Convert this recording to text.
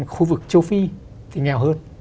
khu vực châu phi thì nghèo hơn